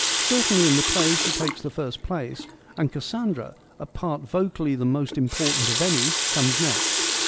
Certainly in the play she takes the first place, and Cassandra, a part vocally the most important of any, comes next.